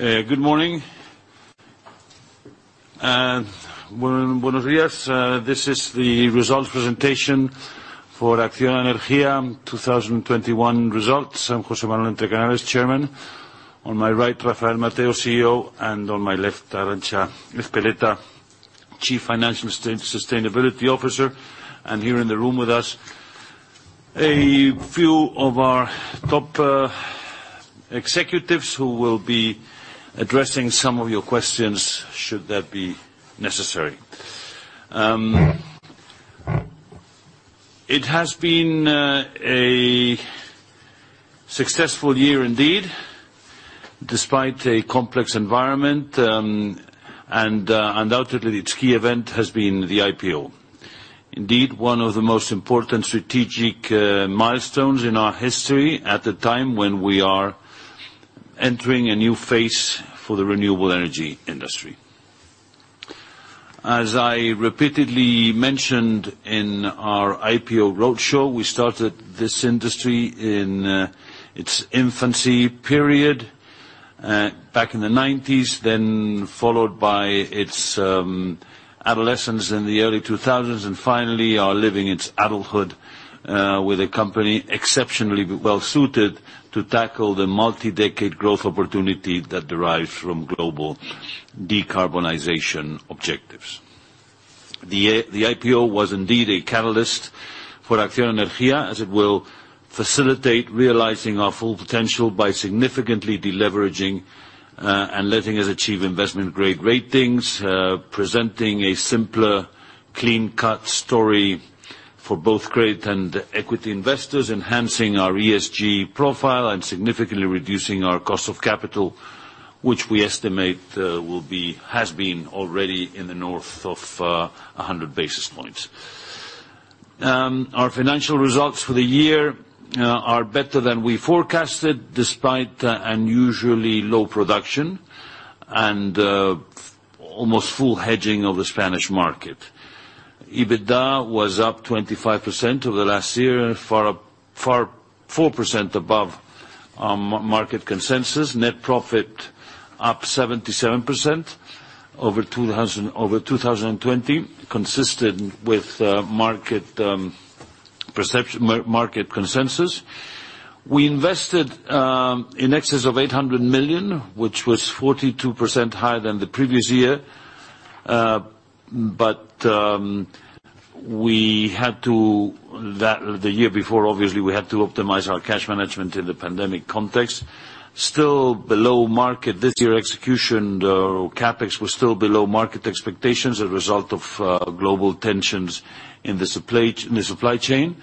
Good morning. Buenos días. This is the results presentation for ACCIONA Energía 2021 results. I'm José Manuel Entrecanales, Chairman. On my right, Rafael Mateo, CEO. On my left, Arantza Ezpeleta, Chief Financial and Sustainability Officer. Here in the room with us, a few of our top executives who will be addressing some of your questions, should that be necessary. It has been a successful year indeed, despite a complex environment. Undoubtedly its key event has been the IPO. Indeed, one of the most important strategic milestones in our history at the time when we are entering a new phase for the renewable energy industry. As I repeatedly mentioned in our IPO roadshow, we started this industry in its infancy period back in the 1990s, then followed by its adolescence in the early 2000s, and finally are living its adulthood with a company exceptionally well-suited to tackle the multi-decade growth opportunity that derives from global decarbonization objectives. The IPO was indeed a catalyst for ACCIONA Energía, as it will facilitate realizing our full potential by significantly de-leveraging and letting us achieve investment-grade ratings, presenting a simpler, clean-cut story for both credit and equity investors, enhancing our ESG profile and significantly reducing our cost of capital, which we estimate has been already in the north of 100 basis points. Our financial results for the year are better than we forecasted, despite unusually low production and almost full hedging of the Spanish market. EBITDA was up 25% over last year, 4% above our market consensus. Net profit up 77% over 2020, consistent with market perception, market consensus. We invested in excess of 800 million, which was 42% higher than the previous year. The year before, obviously, we had to optimize our cash management in the pandemic context. Still below market. This year, execution or CapEx was still below market expectations as a result of global tensions in the supply chain.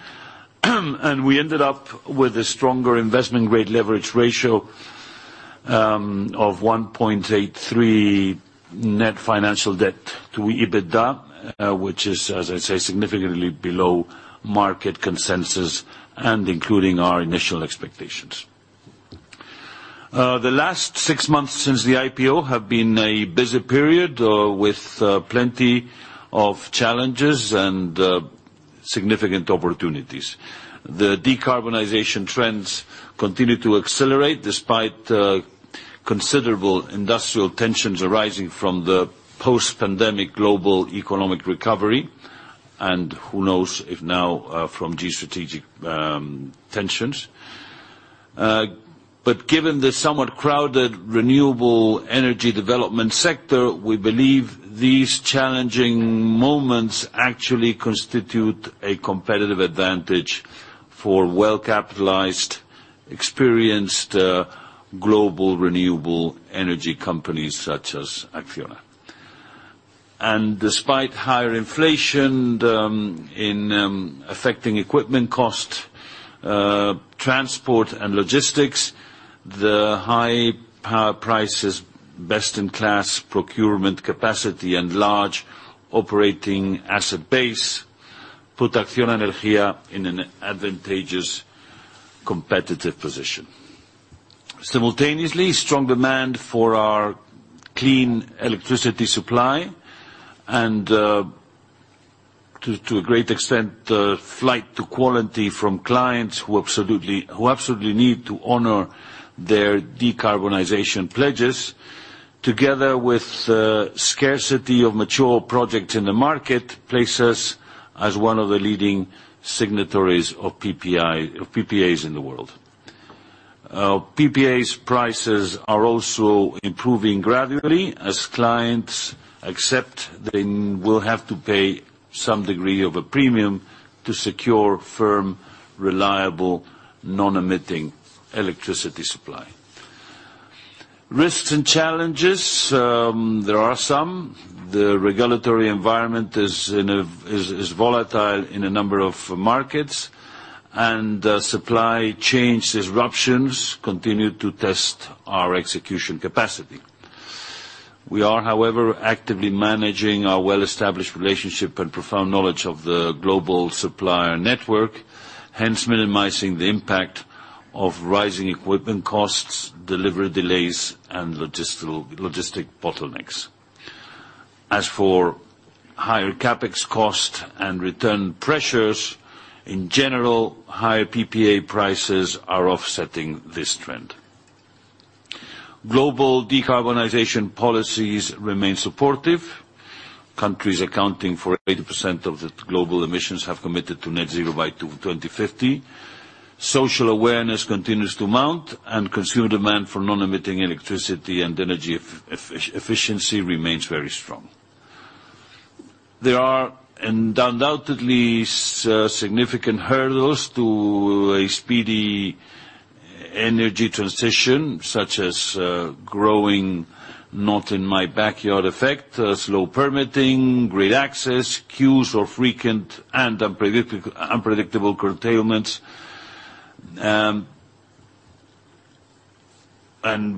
We ended up with a stronger investment-grade leverage ratio of 1.83x net financial debt to EBITDA, which is, as I say, significantly below market consensus and including our initial expectations. The last six months since the IPO have been a busy period with plenty of challenges and significant opportunities. The decarbonization trends continue to accelerate despite considerable industrial tensions arising from the post-pandemic global economic recovery, and who knows if now from geostrategic tensions. Given the somewhat crowded renewable energy development sector, we believe these challenging moments actually constitute a competitive advantage for well-capitalized, experienced global renewable energy companies such as ACCIONA. Despite higher inflation affecting equipment cost, transport and logistics, the high power prices, best-in-class procurement capacity, and large operating asset base put ACCIONA Energía in an advantageous competitive position. Simultaneously, strong demand for our clean electricity supply and, to a great extent, flight to quality from clients who absolutely need to honor their decarbonization pledges, together with scarcity of mature projects in the market, place us as one of the leading signatories of PPAs in the world. PPAs prices are also improving gradually as clients accept they will have to pay some degree of a premium to secure firm, reliable, non-emitting electricity supply. Risks and challenges, there are some. The regulatory environment is volatile in a number of markets, and supply chain disruptions continue to test our execution capacity. We are, however, actively managing our well-established relationship and profound knowledge of the global supplier network, hence minimizing the impact of rising equipment costs, delivery delays, and logistic bottlenecks. As for higher CapEx cost and return pressures, in general, higher PPA prices are offsetting this trend. Global decarbonization policies remain supportive. Countries accounting for 80% of the global emissions have committed to net zero by 2050. Social awareness continues to mount, and consumer demand for non-emitting electricity and energy efficiency remains very strong. There are undoubtedly significant hurdles to a speedy energy transition, such as growing not in my backyard effect, slow permitting, grid access, queues or frequent and unpredictable curtailments.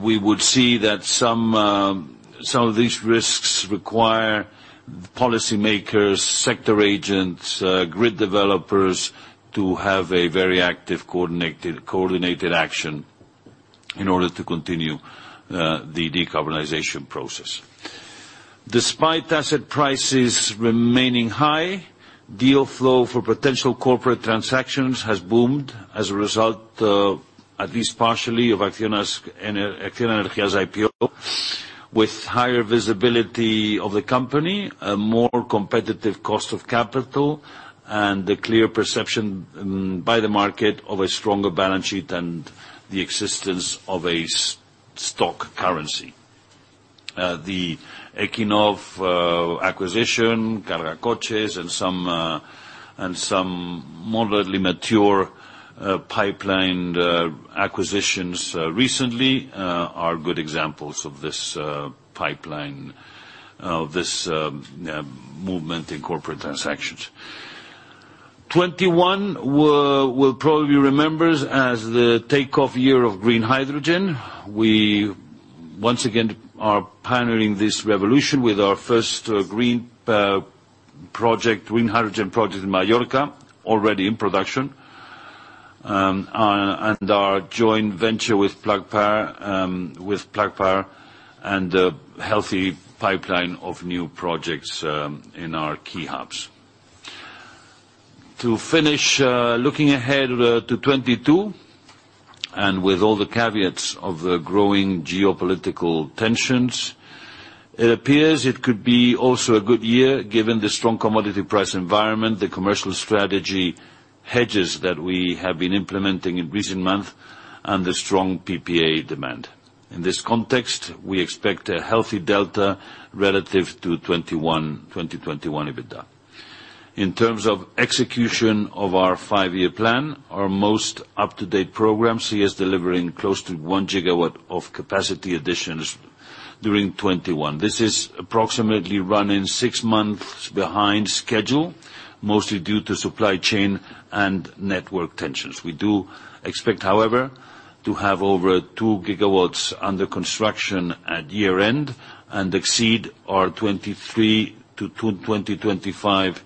We would see that some of these risks require policymakers, sector agents, grid developers to have a very active coordinated action in order to continue the decarbonization process. Despite asset prices remaining high, deal flow for potential corporate transactions has boomed as a result of, at least partially, ACCIONA Energía's IPO, with higher visibility of the company, a more competitive cost of capital, and a clear perception by the market of a stronger balance sheet and the existence of a stock currency. The Eqinov acquisition, Cargacoches, and some moderately mature pipeline acquisitions recently are good examples of this pipeline of this movement in corporate transactions. 2021, we'll probably remember as the takeoff year of green hydrogen. We once again are pioneering this revolution with our first green hydrogen project in Mallorca, already in production, and our joint venture with Plug Power, and a healthy pipeline of new projects in our key hubs. To finish, looking ahead to 2022, and with all the caveats of the growing geopolitical tensions, it appears it could be also a good year given the strong commodity price environment, the commercial strategy hedges that we have been implementing in recent months, and the strong PPA demand. In this context, we expect a healthy delta relative to 2021 EBITDA. In terms of execution of our five-year plan, our most up-to-date program sees delivering close to 1 GW of capacity additions during 2021. This is approximately running six months behind schedule, mostly due to supply chain and network tensions. We do expect, however, to have over 2 GW under construction at year-end and exceed our 2023-2025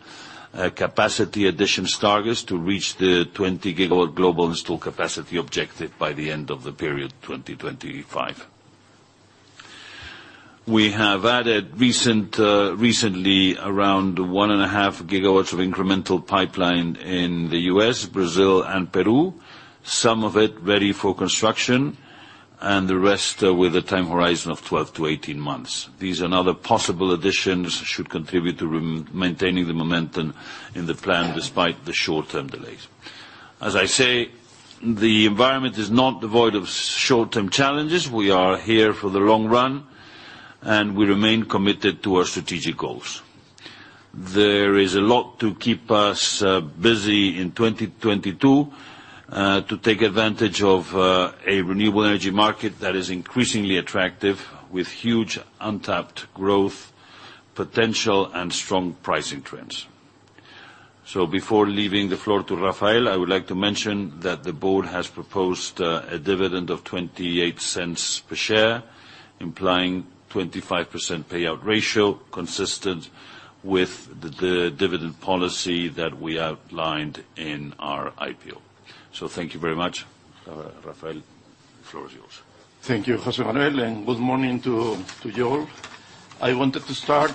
capacity additions targets to reach the 20 GW global installed capacity objective by the end of the period 2025. We have added recently around 1.5 GW of incremental pipeline in the U.S., Brazil and Peru, some of it ready for construction and the rest with a time horizon of 12-18 months. These and other possible additions should contribute to maintaining the momentum in the plan despite the short-term delays. As I say, the environment is not devoid of short-term challenges. We are here for the long run, and we remain committed to our strategic goals. There is a lot to keep us busy in 2022 to take advantage of a renewable energy market that is increasingly attractive, with huge untapped growth potential and strong pricing trends. Before leaving the floor to Rafael, I would like to mention that the board has proposed a dividend of 0.28 per share, implying 25% payout ratio, consistent with the dividend policy that we outlined in our IPO. Thank you very much. Rafael, the floor is yours. Thank you, José Manuel, and good morning to you all. I wanted to start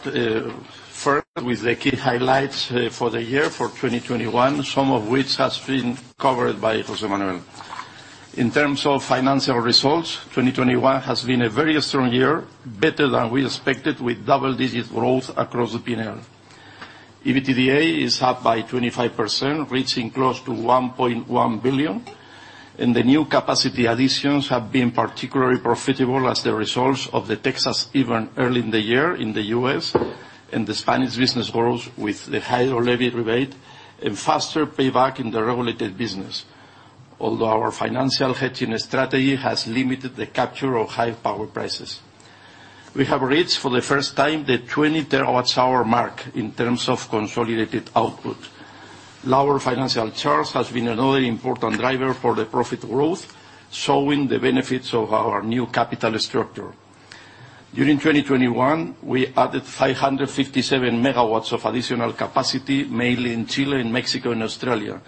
first with the key highlights for the year, for 2021, some of which has been covered by José Manuel. In terms of financial results, 2021 has been a very strong year, better than we expected, with double-digit growth across the P&L. EBITDA is up by 25%, reaching close to 1.1 billion, and the new capacity additions have been particularly profitable as the results of the Texas event early in the year in the U.S., and the Spanish business growth with the higher levy rebate and faster payback in the regulated business. Although our financial hedging strategy has limited the capture of high power prices. We have reached for the first time the 20 TWh mark in terms of consolidated output. Lower financial charge has been another important driver for the profit growth, showing the benefits of our new capital structure. During 2021, we added 557 MW of additional capacity, mainly in Chile, in Mexico, and Australia.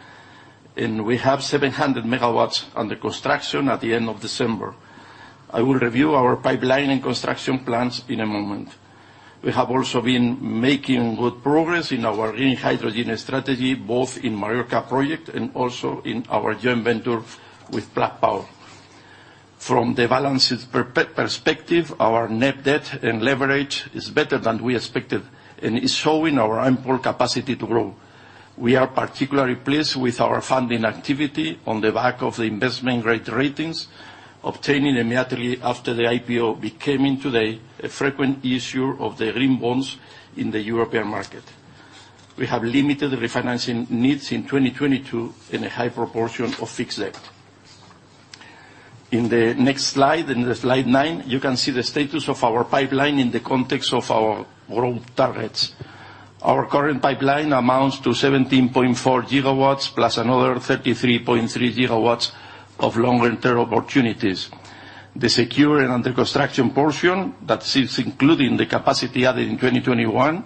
We have 700 MW under construction at the end of December. I will review our pipeline and construction plans in a moment. We have also been making good progress in our green hydrogen strategy, both in Mallorca project and also in our joint venture with Plug Power. From the balance sheet perspective, our net debt and leverage is better than we expected and is showing our important capacity to grow. We are particularly pleased with our funding activity on the back of the investment-grade ratings, obtained immediately after the IPO, becoming today a frequent issuer of the green bonds in the European market. We have limited refinancing needs in 2022 and a high proportion of fixed debt. In the next slide, in slide nine, you can see the status of our pipeline in the context of our growth targets. Our current pipeline amounts to 17.4 GW, plus another 33.3 GW of longer-term opportunities. The secure and under-construction portion that sits including the capacity added in 2021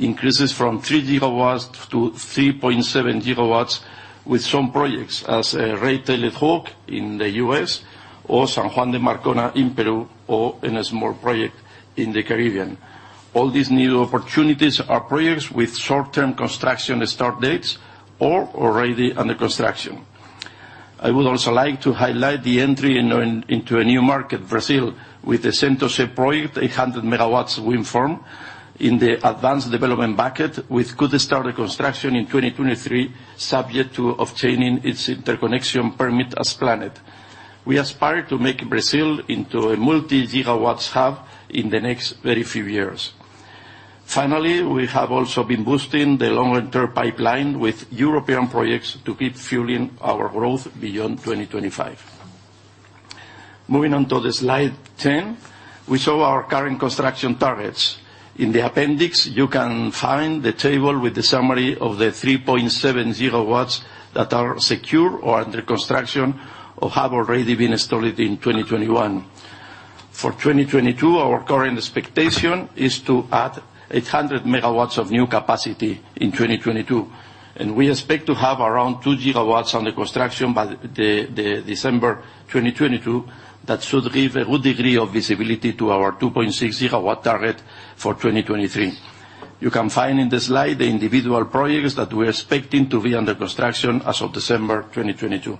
increases from 3 GW to 3.7 GW, with some projects as Red-Tailed Hawk in the U.S. or San Juan de Marcona in Peru or in a small project in the Caribbean. All these new opportunities are projects with short-term construction start dates or already under construction. I would also like to highlight the entry into a new market, Brazil, with the Sento Sé project project, a 100 MW wind farm in the advanced development bucket, with construction start in 2023, subject to obtaining its interconnection permit as planned. We aspire to make Brazil into a multi-gigawatt hub in the next very few years. Finally, we have also been boosting the longer-term pipeline with European projects to keep fueling our growth beyond 2025. Moving on to slide 10, we show our current construction targets. In the appendix, you can find the table with the summary of the 3.7 GW that are secure or under construction or have already been installed in 2021. For 2022, our current expectation is to add 800 MW of new capacity in 2022, and we expect to have around 2 GW under construction by December 2022. That should give a good degree of visibility to our 2.6 GW target for 2023. You can find in the slide the individual projects that we're expecting to be under construction as of December 2022.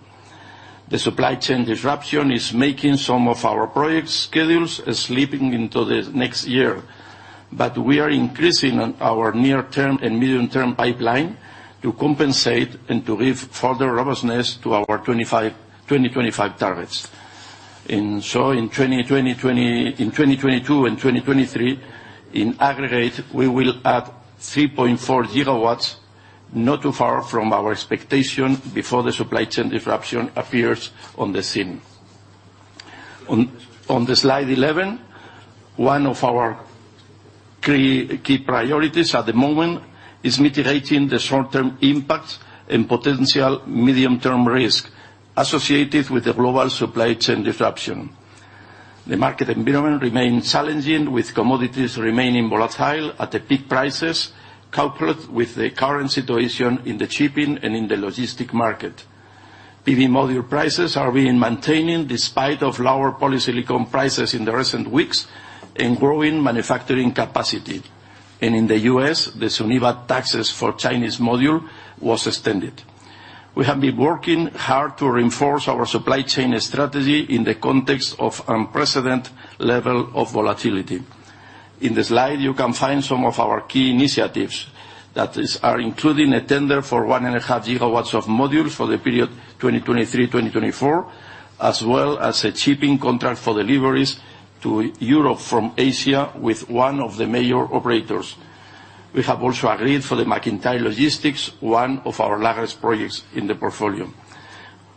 The supply chain disruption is making some of our project schedules slipping into the next year. But we are increasing our near-term and medium-term pipeline to compensate and to give further robustness to our 2025 targets. In 2022 and 2023, in aggregate, we will add 3.4 GW, not too far from our expectation before the supply chain disruption appears on the scene. On the slide 11, one of our key priorities at the moment is mitigating the short-term impacts and potential medium-term risk associated with the global supply chain disruption. The market environment remains challenging, with commodities remaining volatile at peak prices, coupled with the current situation in the shipping and logistics market. PV module prices are being maintained despite lower polysilicon prices in recent weeks and growing manufacturing capacity. In the U.S., the Suniva tariffs for Chinese modules was extended. We have been working hard to reinforce our supply chain strategy in the context of unprecedented level of volatility. In the slide, you can find some of our key initiatives that are including a tender for 1.5 GW of modules for the period 2023/2024, as well as a shipping contract for deliveries to Europe from Asia with one of the major operators. We have also agreed for the MacIntyre, one of our largest projects in the portfolio.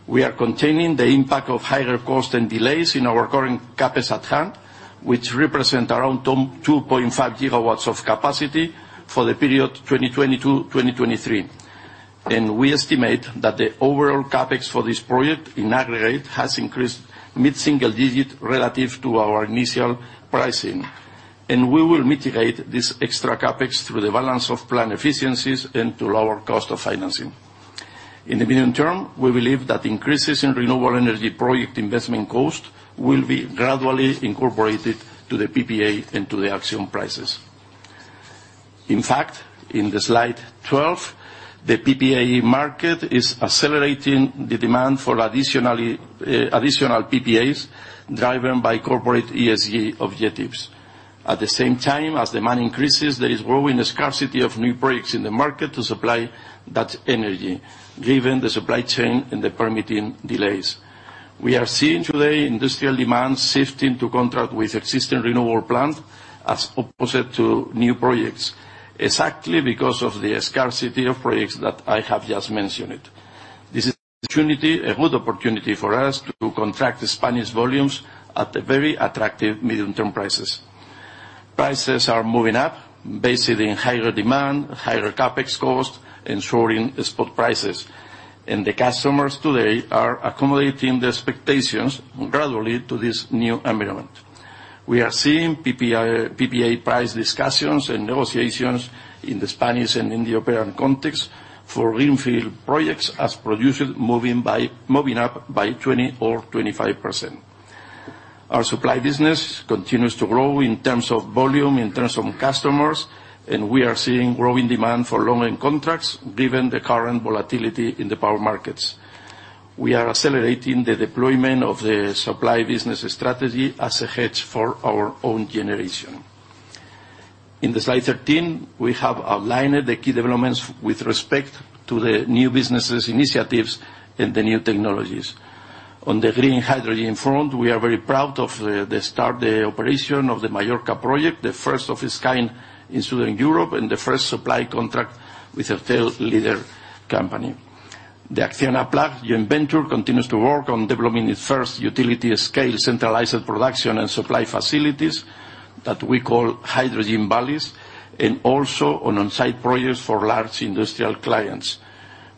We are containing the impact of higher cost and delays in our current CapEx at hand, which represent around 2.5 GW of capacity for the period 2022/2023. We estimate that the overall CapEx for this project in aggregate has increased mid-single digit relative to our initial pricing. We will mitigate this extra CapEx through the balance of plant efficiencies and lower cost of financing. In the medium term, we believe that increases in renewable energy project investment cost will be gradually incorporated to the PPA and to the auction prices. In fact, in the slide 12, the PPA market is accelerating the demand for additional PPAs, driven by corporate ESG objectives. At the same time as demand increases, there is growing scarcity of new projects in the market to supply that energy, given the supply chain and the permitting delays. We are seeing today industrial demand shifting to contract with existing renewable plant as opposed to new projects, exactly because of the scarcity of projects that I have just mentioned. This is opportunity, a good opportunity for us to contract the Spanish volumes at a very attractive medium-term prices. Prices are moving up, based on higher demand, higher CapEx costs, ensuring spot prices. The customers today are accommodating the expectations gradually to this new environment. We are seeing PPA price discussions and negotiations in the Spanish and in the European context for greenfield projects as producers moving up by 20% or 25%. Our supply business continues to grow in terms of volume, in terms of customers, and we are seeing growing demand for long-term contracts given the current volatility in the power markets. We are accelerating the deployment of the supply business strategy as a hedge for our own generation. In slide 13, we have outlined the key developments with respect to the new businesses initiatives and the new technologies. On the green hydrogen front, we are very proud of the start, the operation of the Mallorca project, the first of its kind in Southern Europe and the first supply contract with a retail leader company. The ACCIONA Plug joint venture continues to work on developing its first utility-scale centralized production and supply facilities that we call hydrogen valleys, and also on-site projects for large industrial clients.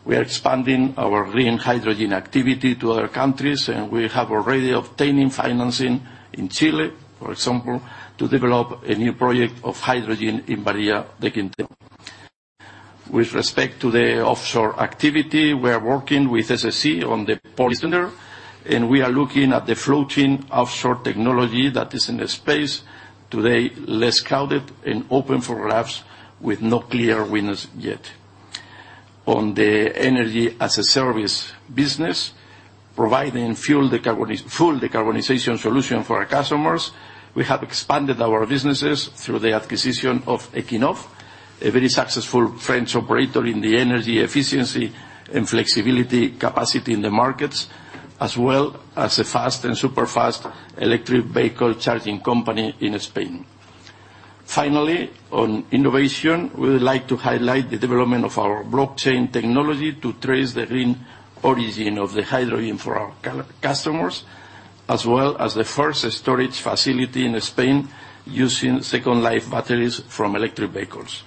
We are expanding our green hydrogen activity to other countries, and we have already obtained financing in Chile, for example, to develop a new project of hydrogen in Bahía Quintero. With respect to the offshore activity, we are working with SSE on the Poland, and we are looking at the floating offshore technology that is in the space today, less crowded and open for grabs with no clear winners yet. On the energy-as-a-service business, providing full decarbonization solution for our customers, we have expanded our businesses through the acquisition of Eqinov, a very successful French operator in the energy efficiency and flexibility capacity in the markets, as well as a fast and super-fast electric vehicle charging company in Spain. Finally, on innovation, we would like to highlight the development of our blockchain technology to trace the green origin of the hydrogen for our customers, as well as the first storage facility in Spain using second life batteries from electric vehicles.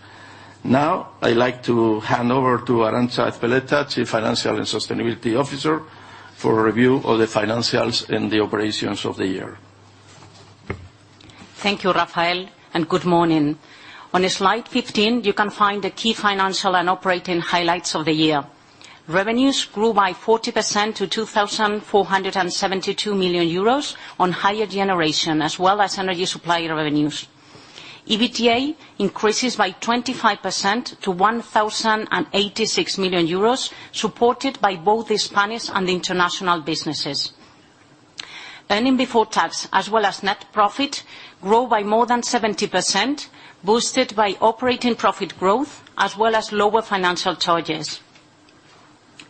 Now, I'd like to hand over to Arantza Ezpeleta, Chief Financial and Sustainability Officer, for a review of the financials and the operations of the year. Thank you, Rafael, and good morning. On slide 15, you can find the key financial and operating highlights of the year. Revenues grew by 40% to 2,472 million euros on higher generation as well as energy supply revenues. EBITDA increases by 25% to 1,086 million euros, supported by both the Spanish and the international businesses. Earnings before tax as well as net profit grow by more than 70%, boosted by operating profit growth as well as lower financial charges.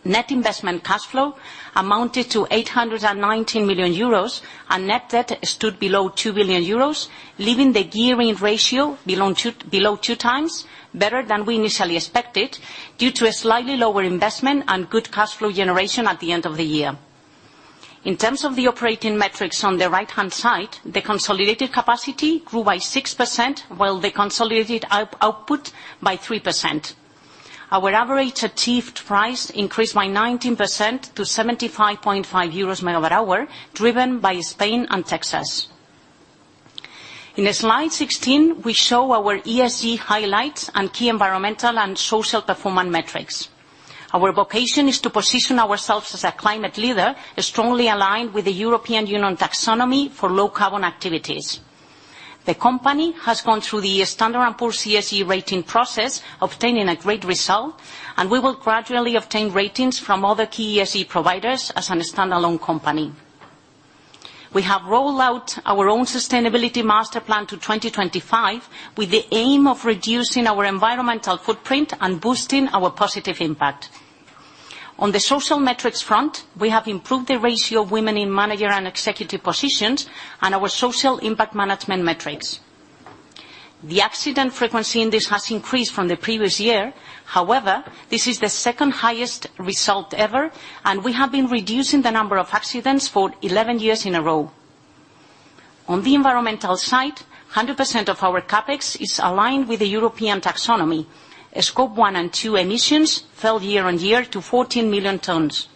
Net investment cash flow amounted to 819 million euros, and net debt stood below 2 billion euros, leaving the gearing ratio below 2x, better than we initially expected, due to a slightly lower investment and good cash flow generation at the end of the year. In terms of the operating metrics on the right-hand side, the consolidated capacity grew by 6%, while the consolidated output by 3%. Our average achieved price increased by 19% to 75.5 euros/MWh, driven by Spain and Texas. In slide 16, we show our ESG highlights and key environmental and social performance metrics. Our vocation is to position ourselves as a climate leader, strongly aligned with the European Union taxonomy for low carbon activities. The company has gone through the S&P's CSA rating process, obtaining a great result, and we will gradually obtain ratings from other key ESG providers as a standalone company. We have rolled out our own sustainability master plan to 2025, with the aim of reducing our environmental footprint and boosting our positive impact. On the social metrics front, we have improved the ratio of women in manager and executive positions and our social impact management metrics. The accident frequency index has increased from the previous year. However, this is the second highest result ever, and we have been reducing the number of accidents for 11 years in a row. On the environmental side, 100% of our CapEx is aligned with the European taxonomy. Scope 1 and 2 emissions fell year-on-year to 14 million tons.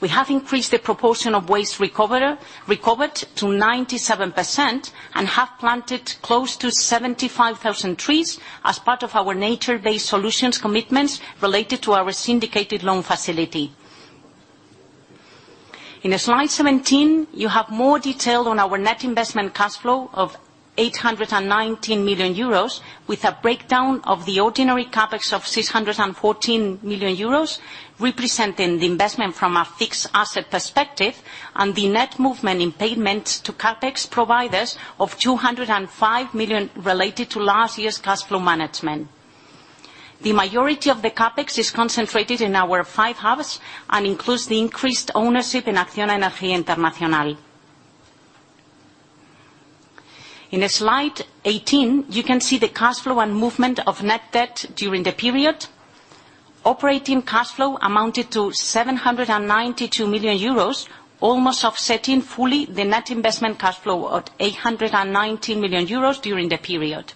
We have increased the proportion of waste recovered to 97% and have planted close to 75,000 trees as part of our nature-based solutions commitments related to our syndicated loan facility. In slide 17, you have more detail on our net investment cash flow of 819 million euros, with a breakdown of the ordinary CapEx of 614 million euros, representing the investment from a fixed asset perspective and the net movement in payments to CapEx providers of 205 million related to last year's cash flow management. The majority of the CapEx is concentrated in our five hubs and includes the increased ownership in ACCIONA Energía Internacional. In slide 18, you can see the cash flow and movement of net debt during the period. Operating cash flow amounted to 792 million euros, almost offsetting fully the net investment cash flow of 819 million euros during the period.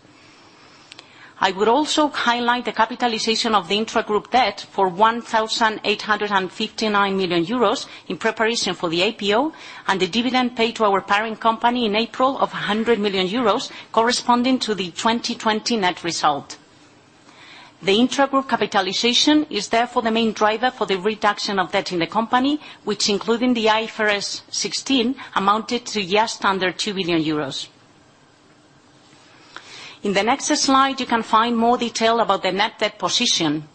I would also highlight the capitalization of the intragroup debt for 1,859 million euros in preparation for the IPO, and the dividend paid to our parent company in April of 100 million euros corresponding to the 2020 net result. The intragroup capitalization is therefore the main driver for the reduction of debt in the company, which, including the IFRS 16, amounted to just under 2 billion euros. In the next slide, you can find more detail about the net debt position.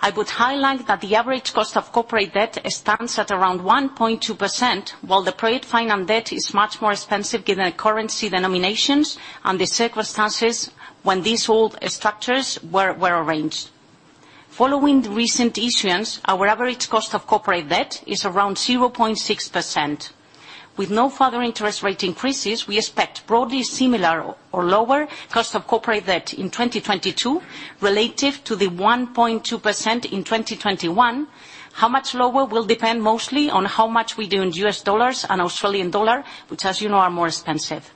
I would highlight that the average cost of corporate debt stands at around 1.2%, while the project finance debt is much more expensive given the currency denominations and the circumstances when these old structures were arranged. Following the recent issuance, our average cost of corporate debt is around 0.6%. With no further interest rate increases, we expect broadly similar or lower cost of corporate debt in 2022 relative to the 1.2% in 2021. How much lower will depend mostly on how much we do in U.S. Dollars and Australian dollar, which as you know are more expensive.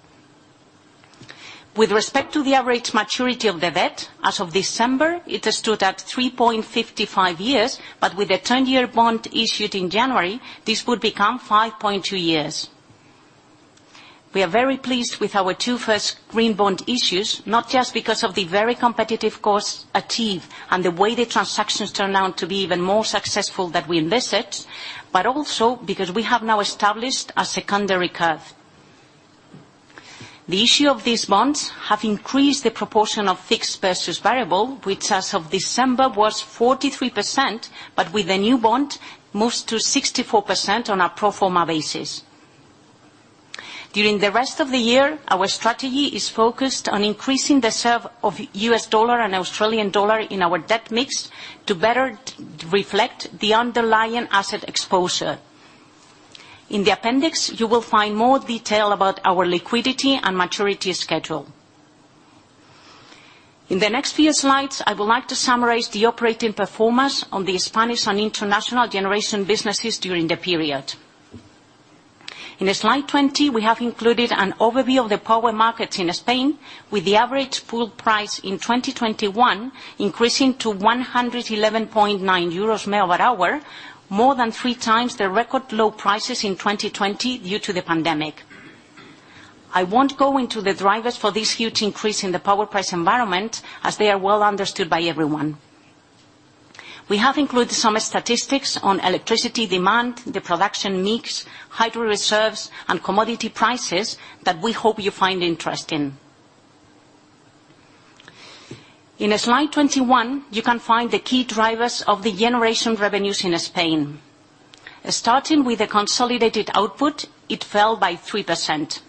With respect to the average maturity of the debt, as of December, it stood at 3.55 years, but with the 10-year bond issued in January, this would become 5.2 years. We are very pleased with our two first green bond issues, not just because of the very competitive cost achieved and the way the transactions turned out to be even more successful than we envisaged, but also because we have now established a secondary curve. The issue of these bonds have increased the proportion of fixed versus variable, which as of December was 43%, but with the new bond moves to 64% on a pro forma basis. During the rest of the year, our strategy is focused on increasing the share of U.S. dollar and Australian dollar in our debt mix to better reflect the underlying asset exposure. In the appendix, you will find more detail about our liquidity and maturity schedule. In the next few slides, I would like to summarize the operating performance on the Spanish and international generation businesses during the period. In slide 20, we have included an overview of the power markets in Spain with the average full price in 2021 increasing to 111.9 euros/MWh, more than three times the record low prices in 2020 due to the pandemic. I won't go into the drivers for this huge increase in the power price environment, as they are well understood by everyone. We have included some statistics on electricity demand, the production mix, hydro reserves, and commodity prices that we hope you find interesting. In slide 21, you can find the key drivers of the generation revenues in Spain. Starting with the consolidated output, it fell by 3%.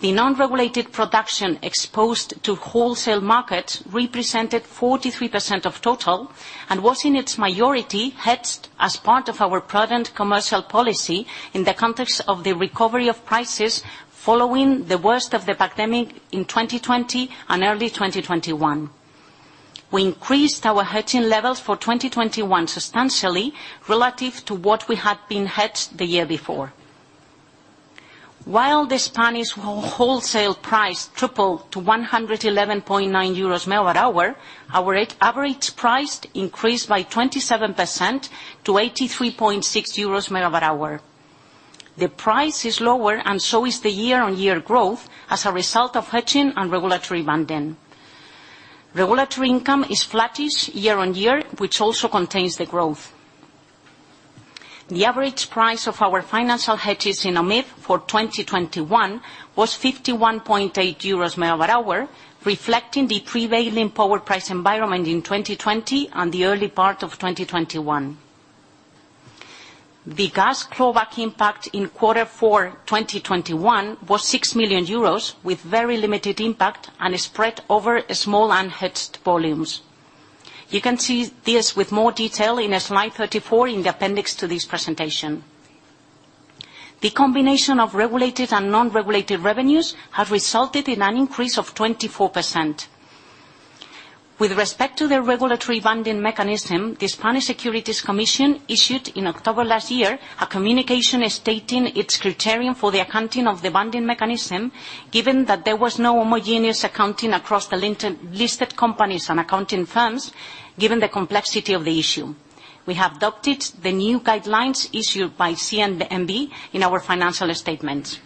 The non-regulated production exposed to wholesale markets represented 43% of total, and was in its majority hedged as part of our prudent commercial policy in the context of the recovery of prices following the worst of the pandemic in 2020 and early 2021. We increased our hedging levels for 2021 substantially relative to what we had been hedged the year before. While the Spanish wholesale price tripled to 111.9 euros/MWh, our realized average price increased by 27% to 83.6 euros/MWh. The price is lower, and so is the year-on-year growth as a result of hedging and regulatory banding. Regulatory income is flattish year-on-year, which also contains the growth. The average price of our financial hedges in OMIP for 2021 was 51.8 euros/MWh, reflecting the prevailing power price environment in 2020 and the early part of 2021. The gas clawback impact in Q4, 2021 was 6 million euros with very limited impact and spread over small unhedged volumes. You can see this with more detail in slide 34 in the appendix to this presentation. The combination of regulated and non-regulated revenues have resulted in an increase of 24%. With respect to the regulatory banding mechanism, the Spanish Securities Commission issued in October last year a communication stating its criterion for the accounting of the banding mechanism, given that there was no homogeneous accounting across the listed companies and accounting firms, given the complexity of the issue. We have adopted the new guidelines issued by CNMV in our financial statements.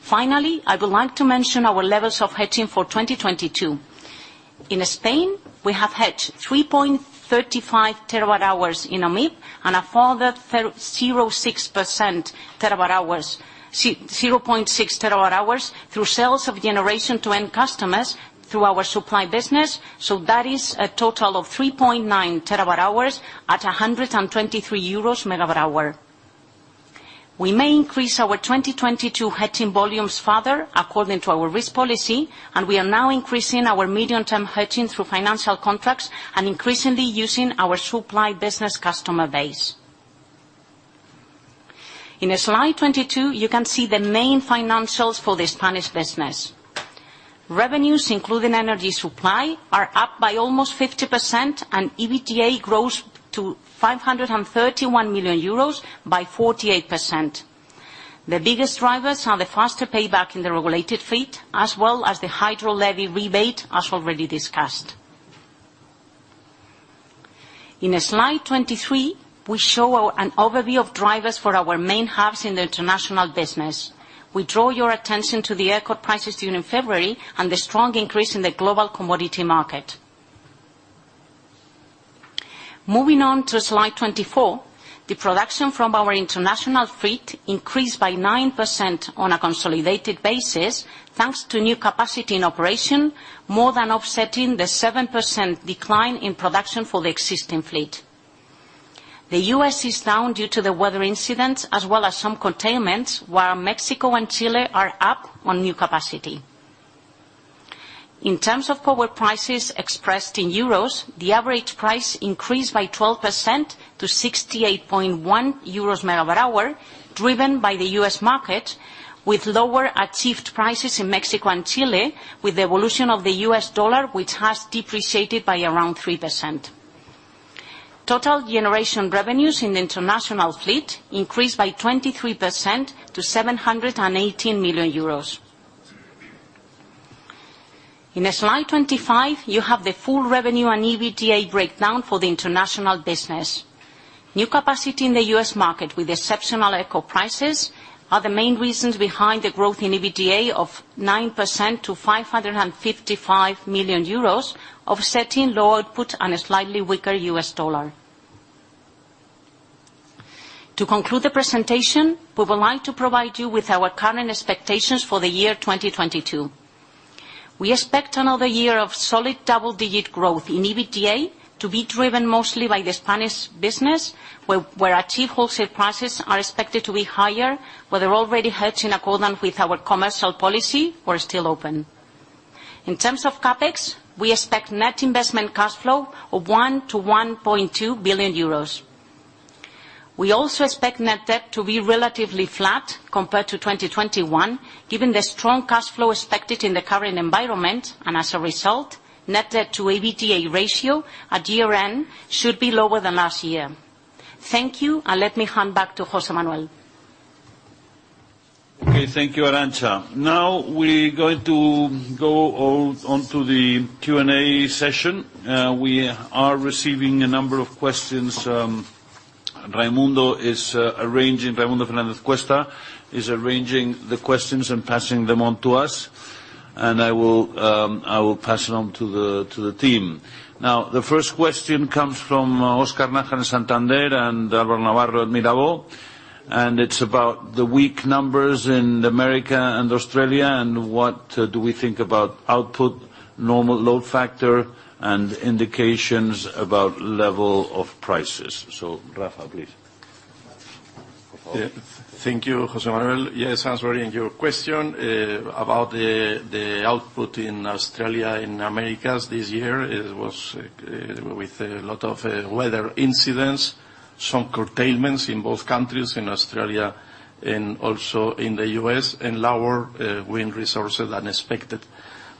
Finally, I would like to mention our levels of hedging for 2022. In Spain, we have hedged 3.35 TWh in OMIP and a further 0.6 TWh through sales of generation to end customers through our supply business. That is a total of 3.9 TWh at 123 EUR/MWh. We may increase our 2022 hedging volumes further according to our risk policy, and we are now increasing our medium term hedging through financial contracts and increasingly using our supply business customer base. In slide 22, you can see the main financials for the Spanish business. Revenues including energy supply are up by almost 50%, and EBITDA grows to 531 million euros by 48%. The biggest drivers are the faster payback in the regulated fleet, as well as the hydro levy rebate, as already discussed. In slide 23, we show an overview of drivers for our main hubs in the international business. We draw your attention to the ERCOT prices during February and the strong increase in the global commodity market. Moving on to slide 24, the production from our international fleet increased by 9% on a consolidated basis, thanks to new capacity and operation, more than offsetting the 7% decline in production for the existing fleet. The U.S. is down due to the weather incidents as well as some curtailments, while Mexico and Chile are up on new capacity. In terms of power prices expressed in euros, the average price increased by 12% to EUR 68.1/MWh, driven by the U.S. market, with lower achieved prices in Mexico and Chile, with the evolution of the U.S. dollar, which has depreciated by around 3%. Total generation revenues in the international fleet increased by 23% to 718 million euros. In slide 25, you have the full revenue and EBITDA breakdown for the international business. New capacity in the U.S. market with exceptional ERCOT prices are the main reasons behind the growth in EBITDA of 9% to 555 million euros, offsetting low output and a slightly weaker U.S. dollar. To conclude the presentation, we would like to provide you with our current expectations for the year 2022. We expect another year of solid double-digit growth in EBITDA to be driven mostly by the Spanish business, where achieved wholesale prices are expected to be higher, whether already hedged in accordance with our commercial policy or still open. In terms of CapEx, we expect net investment cash flow of 1 billion-1.2 billion euros. We also expect net debt to be relatively flat compared to 2021, given the strong cash flow expected in the current environment. As a result, net debt to EBITDA ratio at year-end should be lower than last year. Thank you, and let me hand back to José Manuel. Okay, thank you, Arantza. Now we're going to go on to the Q&A session. We are receiving a number of questions. Raimundo Fernández-Cuesta is arranging the questions and passing them on to us. I will pass it on to the team. The first question comes from Óscar Nájar in Santander and Álvaro Navarro in Mirabaud. It's about the weak numbers in America and Australia, and what do we think about output, normal load factor, and indications about level of prices? Rafa, please. Thank you, José Manuel. Answering your question about the output in Australia and Americas this year, it was with a lot of weather incidents, some curtailments in both countries, in Australia and also in the U.S., and lower wind resources than expected.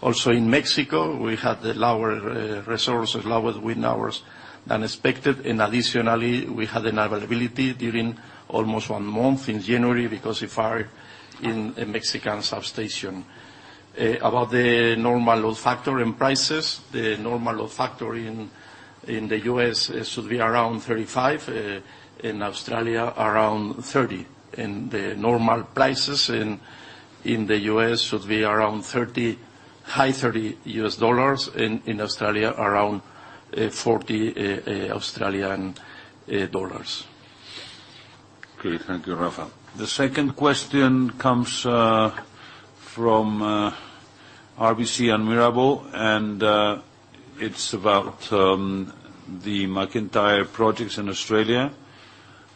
Also, in Mexico, we had lower resources, lower wind hours than expected. Additionally, we had unavailability during almost one month in January because of fire in a Mexican substation. About the normal load factor and prices, the normal load factor in the U.S. should be around $35/MWh. In Australia, around AUD 30/MWh. The normal prices in the U.S. should be around high $30s/MWh. In Australia, around 40 Australian dollars/MWh. Okay, thank you, Rafael. The second question comes from RBC and Mirabaud, and it's about the MacIntyre projects in Australia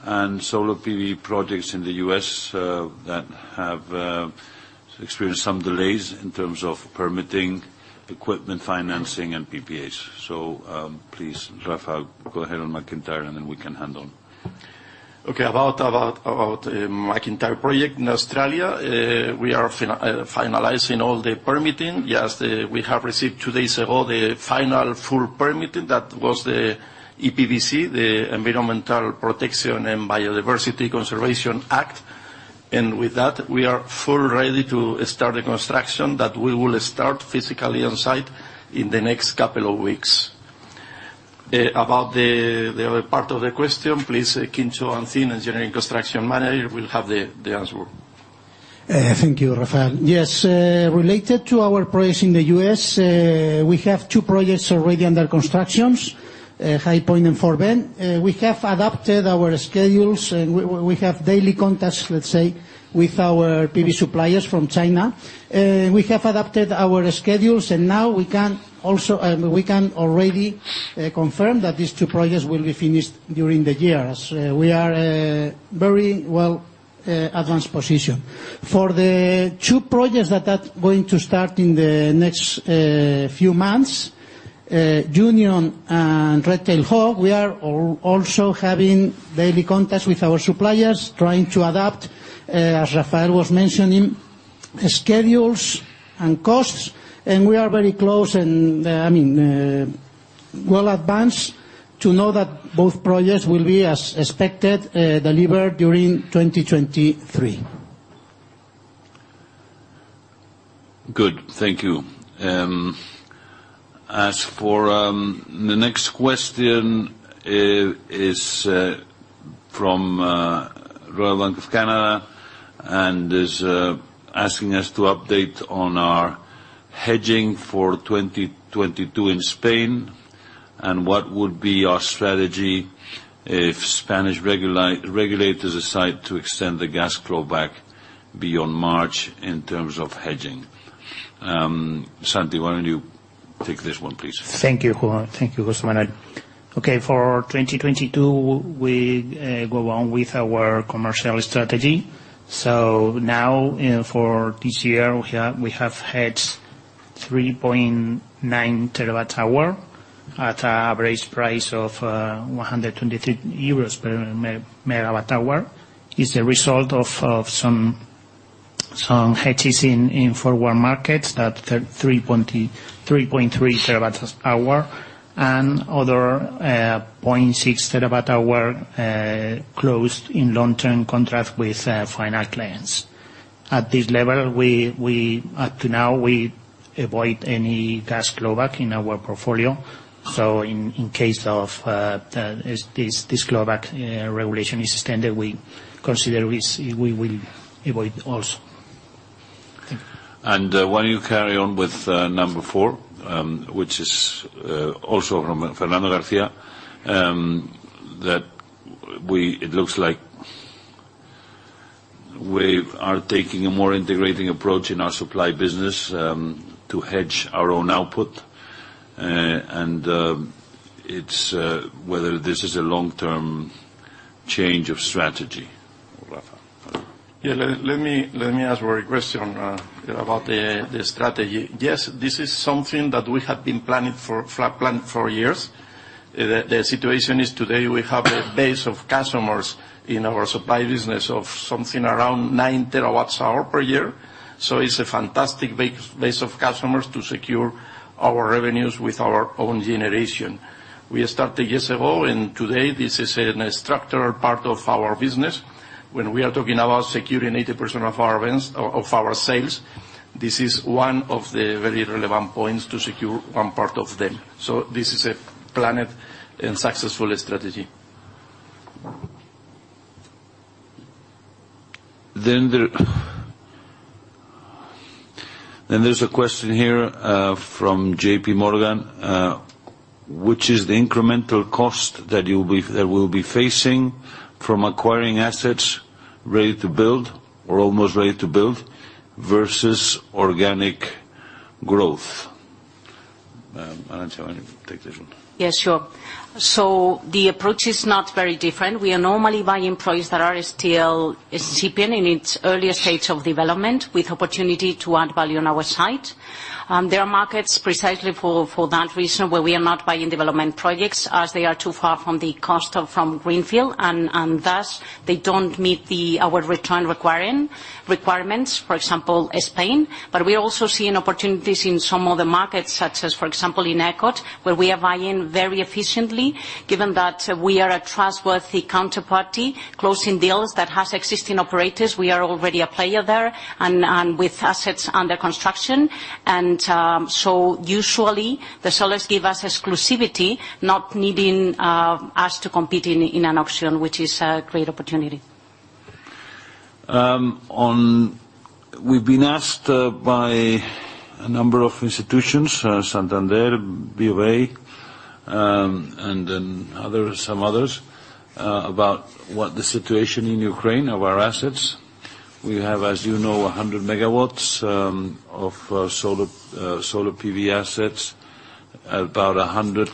and solar PV projects in the U.S. that have experienced some delays in terms of permitting, equipment financing, and PPAs. Please, Rafael, go ahead on MacIntyre, and then we can hand over. Okay, about the MacIntyre project in Australia, we are finalizing all the permitting. Yes, we have received two days ago the final full permitting. That was the EPBC Act, the Environment Protection and Biodiversity Conservation Act 1999. With that, we are fully ready to start the construction that we will start physically on site in the next couple of weeks. About the other part of the question, please, Joaquín Ancín Viguiristi, Engineering Construction Manager, will have the answer. Thank you, Rafael. Yes, related to our projects in the U.S., we have two projects already under construction, High Point and Fort Bend. We have adapted our schedules, and we have daily contacts, let's say, with our PV suppliers from China. We have adapted our schedules, and now, I mean, we can already confirm that these two projects will be finished during the year, as we are very well advanced position. For the two projects that are going to start in the next few months, Union and Red-Tailed Hawk, we are also having daily contacts with our suppliers, trying to adapt, as Rafael was mentioning, schedules and costs. We are very close and, I mean, Well advanced to know that both projects will be as expected, delivered during 2023. Good. Thank you. As for the next question is from Royal Bank of Canada, and is asking us to update on our hedging for 2022 in Spain, and what would be our strategy if Spanish regulators decide to extend the gas clawback beyond March in terms of hedging. Santi, why don't you take this one, please? Thank you, Juan. Thank you, José Manuel. Okay, for 2022, we go on with our commercial strategy. Now in, for this year, we have hedged 3.9 TWh at an average price of 123 euros per MWh. It's a result of some hedges in forward markets, that 3.3 TWh, and other 0.6 TWh closed in long-term contract with final clients. At this level, up to now, we avoid any gas clawback in our portfolio. In case of this clawback regulation is extended, we consider this, we will avoid also. Thank you. Why don't you carry on with number four, which is also from Fernando Garcia. It looks like we are taking a more integrating approach in our supply business to hedge our own output. It's whether this is a long-term change of strategy. Rafa. Yeah, let me answer your question about the strategy. Yes, this is something that we have been planning for years. The situation is today we have a base of customers in our supply business of something around 9 TWh per year. It's a fantastic base of customers to secure our revenues with our own generation. We started years ago, and today, this is a structural part of our business. When we are talking about securing 80% of our events of our sales, this is one of the very relevant points to secure one part of them. This is a planned and successful strategy. There's a question here from JPMorgan, which is the incremental cost that we'll be facing from acquiring assets ready to build or almost ready to build versus organic growth? Arantza, take this one. Yes, sure. The approach is not very different. We are normally buying projects that are still incipient in its earliest stage of development, with opportunity to add value on our side. There are markets precisely for that reason, where we are not buying development projects, as they are too far from the cost of greenfield. Thus, they don't meet our return requirements, for example, Spain. We are also seeing opportunities in some other markets, such as, for example, in ERCOT, where we are buying very efficiently. Given that we are a trustworthy counterparty closing deals that has existing operators, we are already a player there and with assets under construction. Usually the sellers give us exclusivity, not needing us to compete in an auction, which is a great opportunity. We've been asked by a number of institutions, Santander, BofA, and then other some others, about what the situation in Ukraine of our assets. We have, as you know, 100 MW of solar PV assets about 100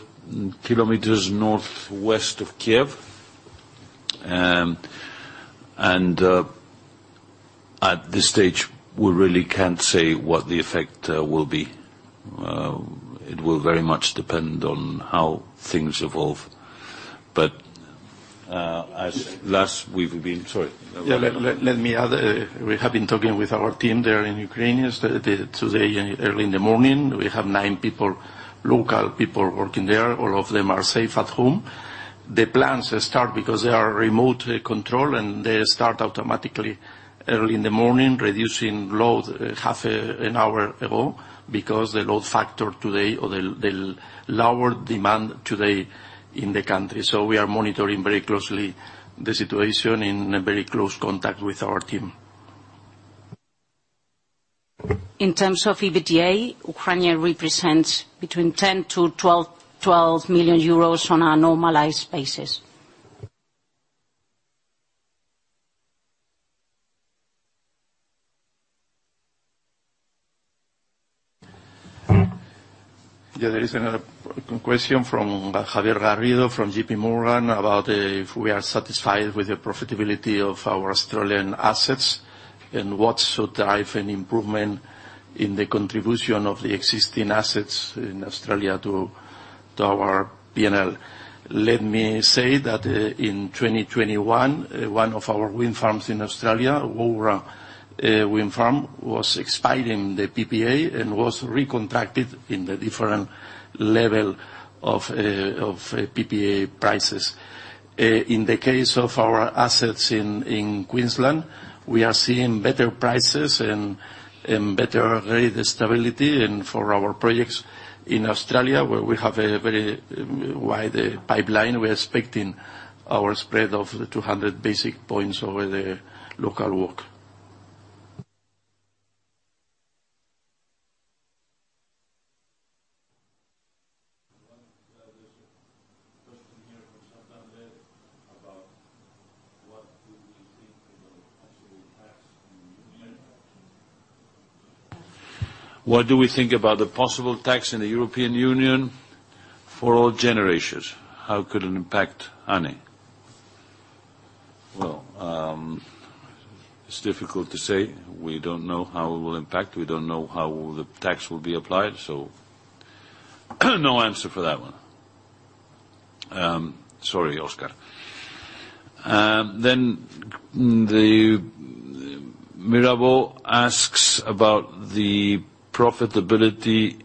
km northwest of Kyiv. At this stage, we really can't say what the effect will be. It will very much depend on how things evolve. Yeah, let me add. We have been talking with our team there in Ukraine as of today, early in the morning. We have nine people, local people working there. All of them are safe at home. The plants start because they are remote control, and they start automatically early in the morning, reducing load half an hour ago because the load factor today or the lower demand today in the country. We are monitoring very closely the situation in a very close contact with our team. In terms of EBITDA, Ukraine represents 10 million-12 million euros on a normalized basis. Yeah, there is another question from Javier Garrido from JPMorgan about if we are satisfied with the profitability of our Australian assets and what should drive an improvement in the contribution of the existing assets in Australia to our P&L. Let me say that in 2021, one of our wind farms in Australia, Waubra Wind Farm, was expiring the PPA and was recontracted in the different level of PPA prices. In the case of our assets in Queensland, we are seeing better prices and better rate stability. For our projects in Australia, where we have a very wide pipeline, we're expecting our spread of 200 basis points over the local WACC. There's a question here from Oscar, Santander about what we think of the possible tax in the Union. What do we think about the possible tax in the European Union for all generations? How could it impact ANE? Well, it's difficult to say. We don't know how it will impact. We don't know how the tax will be applied. No answer for that one. Sorry, Oscar. Mirabaud asks about the profitability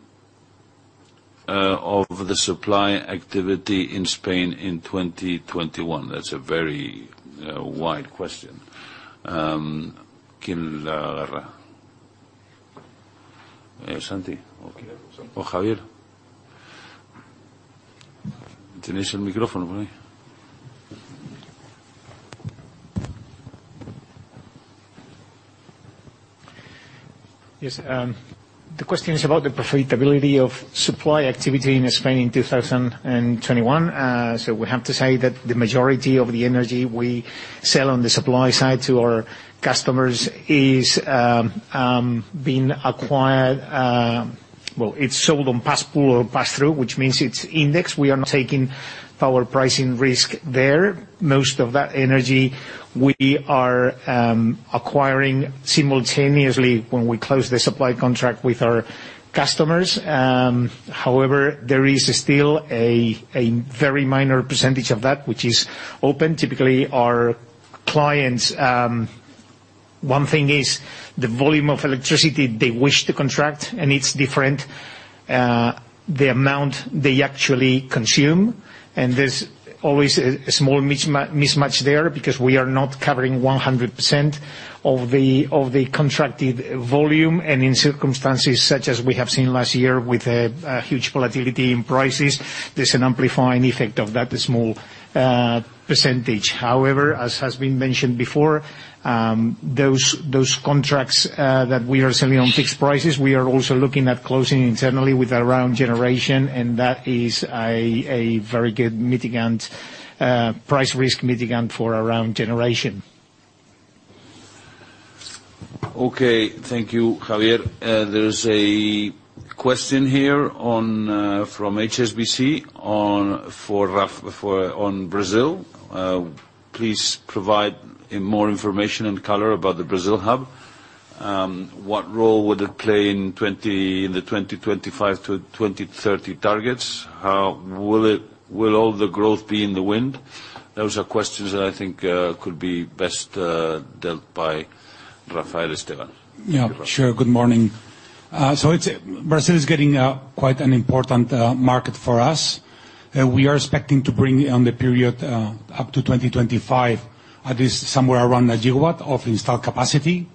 of the supply activity in Spain in 2021. That's a very wide question. Santi or Javier, do you have the microphone with you? Yes. The question is about the profitability of supply activity in Spain in 2021. We have to say that the majority of the energy we sell on the supply side to our customers is being acquired. Well, it's sold on pool or pass-through, which means it's indexed. We are not taking power pricing risk there. Most of that energy we are acquiring simultaneously when we close the supply contract with our customers. However, there is still a very minor percentage of that which is open. Typically, our clients, one thing is the volume of electricity they wish to contract, and it's different, the amount they actually consume. There's always a small mismatch there because we are not covering 100% of the contracted volume. In circumstances such as we have seen last year with a huge volatility in prices, there's an amplifying effect of that small percentage. However, as has been mentioned before, those contracts that we are selling on fixed prices, we are also looking at closing internally with our own generation, and that is a very good mitigant, price risk mitigant for our own generation. Okay. Thank you, Javier. There's a question here from HSBC for Rafael Mateo on Brazil. Please provide more information and color about the Brazil hub. What role would it play in the 2025 to 2030 targets? Will all the growth be in the wind? Those are questions that I think could be best dealt by Rafael. Yeah. Rafael. Sure. Good morning. Brazil is getting quite an important market for us. We are expecting to bring online over the period up to 2025, at least somewhere around 1 GW of installed capacity.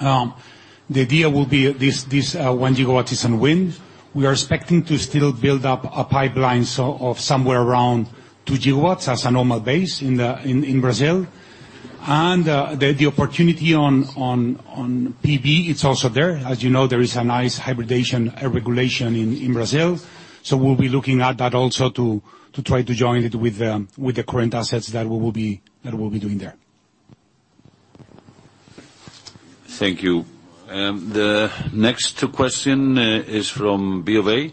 The idea will be this 1 GW is on wind. We are expecting to still build up a pipeline of somewhere around 2 GW as a normal base in Brazil. The opportunity on PV is also there. As you know, there is a nice hybridization regulation in Brazil. We'll be looking at that also to try to join it with the current assets that we'll be doing there. Thank you. The next question is from BofA,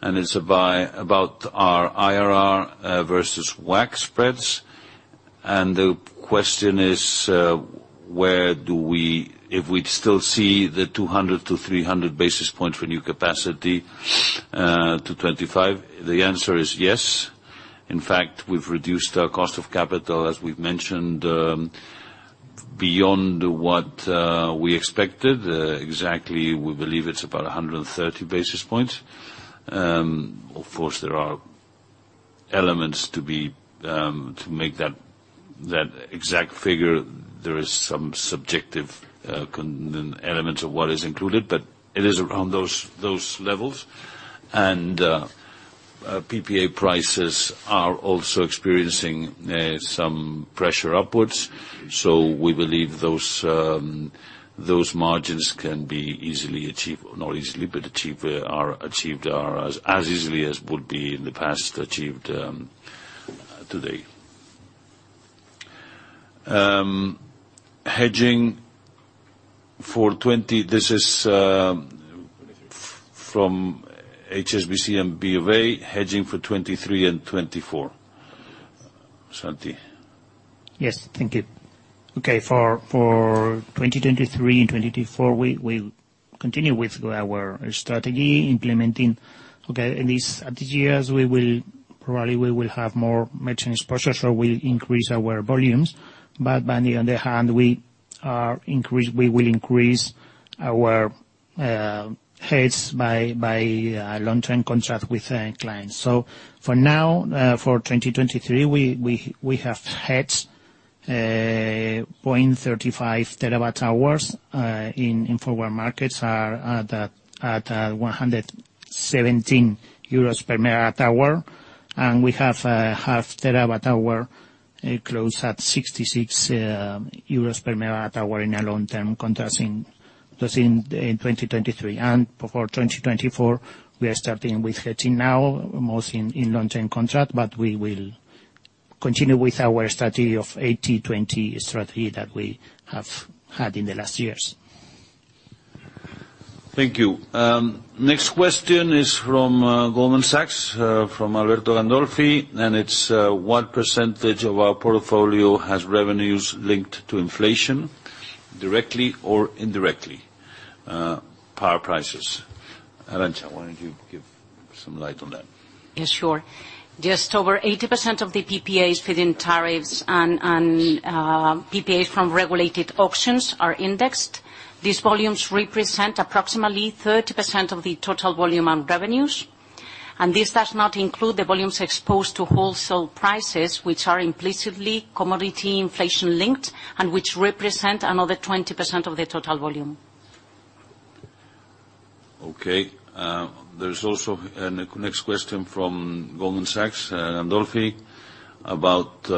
and it's about our IRR versus WACC spreads. The question is, where do we... If we'd still see the 200-300 basis points for new capacity to 2025. The answer is yes. In fact, we've reduced our cost of capital, as we've mentioned, beyond what we expected. Exactly, we believe it's about 130 basis points. Of course, there are elements to be to make that exact figure. There is some subjective elements of what is included, but it is around those levels. PPA prices are also experiencing some pressure upwards. We believe those margins can be easily achieved. Not easily, but achieved are as easily as would be in the past achieved today. Hedging for 20. This is from HSBC and BofA, hedging for 2023 and 2024. Santi? Yes, thank you. Okay, for 2023 and 2024, we continue with our strategy implementing in these years. We will probably have more maintenance processes, so we will increase our volumes. On the other hand, we will increase our hedge by long-term contracts with our clients. For now, for 2023, we have hedged 0.35 TWh in forward markets at EUR 117/MWh. We have 0.5 TWh closed at EUR 66/MWh in long-term contracts closed in 2023. For 2024, we are starting with hedging now, mostly in long-term contracts, but we will continue with our strategy of 80/20 strategy that we have had in the last years. Thank you. Next question is from Goldman Sachs, from Alberto Gandolfi, and it's, "What percentage of our portfolio has revenues linked to inflation, directly or indirectly? Power prices." Arantza, why don't you shed some light on that? Yes, sure. Just over 80% of the PPAs, feed-in tariffs and PPAs from regulated auctions are indexed. These volumes represent approximately 30% of the total volume and revenues. This does not include the volumes exposed to wholesale prices, which are implicitly commodity inflation-linked and which represent another 20% of the total volume. Okay. There's also a next question from Goldman Sachs, Gandolfi, about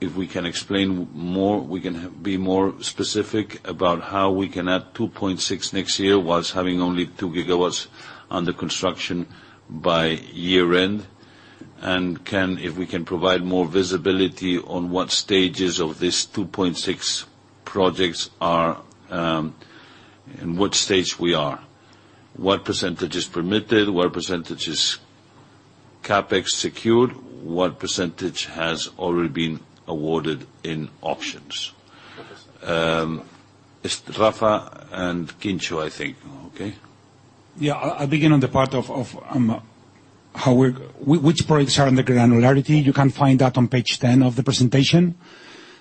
if we can explain more, we can be more specific about how we can add 2.6 next year while having only 2 GW under construction by year-end. If we can provide more visibility on what stage these 2.6 projects are in. What percentage is permitted? What percentage is CapEx secured? What percentage has already been awarded in auctions? It's Rafa and Quincho, I think. Yeah. I'll begin on the part of how we're which projects are in the granularity. You can find that on page 10 of the presentation.